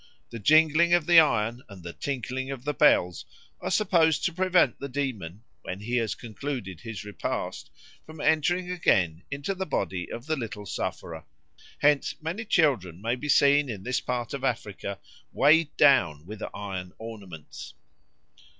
The jingling of the iron and the tinkling of the bells are supposed to prevent the demon, when he has concluded his repast, from entering again into the body of the little sufferer. Hence many children may be seen in this part of Africa weighed down with iron ornaments.